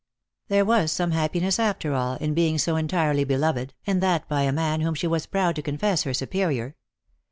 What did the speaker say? There was some happiness, after all, in being so entirely beloved, and that by a man whom she was proud to confess her superior.